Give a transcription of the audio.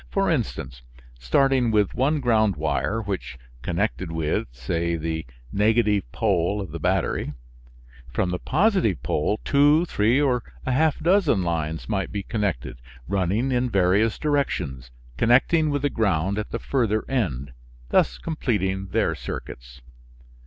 For instance, starting with one ground wire which connected with, say, the negative pole of the battery, from the positive pole two, three or a half dozen lines might be connected, running in various directions, connecting with the ground at the further end, thus completing their circuits.